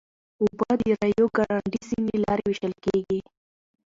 اوبه د ریو ګرانډې سیند له لارې وېشل کېږي.